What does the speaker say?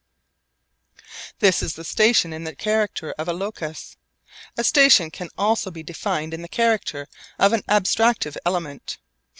This is the station in the character of a locus. A station can also be defined in the character of an abstractive element.